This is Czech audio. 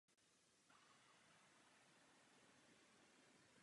V mnoha případech nebyla hmotnost nákladu správně vyvážena.